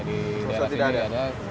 sama sekali tidak ada